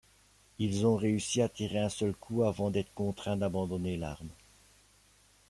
Ils ont réussi à tirer un seul coup avant d'être contraints d'abandonner l'arme.